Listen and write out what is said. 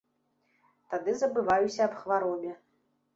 Тады забываюся аб хваробе.